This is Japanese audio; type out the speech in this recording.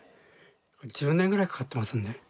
１０年ぐらいかかってますんで。